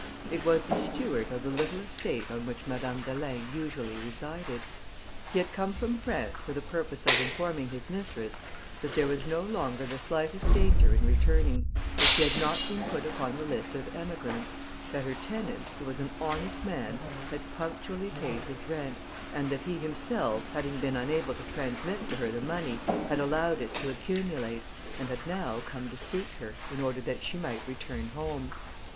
It was the steward of the little estate on which Madame d'Alin usually resided. He had come from France for the purpose of informing his mistress that there was no longer the slightest danger in returning; that she had not been put upon the list of emigrants; that her tenant, who was an honest man, had punctually paid his rent; and that he himself, having been unable to transmit to her the money, had allowed it to accumulate, and had now come to seek her, in order that she might return home.